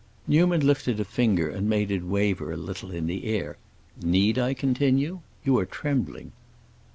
Newman lifted a finger and made it waver a little in the air. "Need I continue? You are trembling."